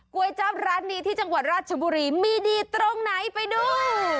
จั๊บร้านนี้ที่จังหวัดราชบุรีมีดีตรงไหนไปดู